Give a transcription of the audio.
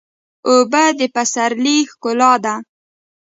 اوبه د پسرلي ښکلا ده.